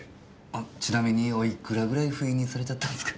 ちなみにおいくらぐらいフイにされちゃったんすか？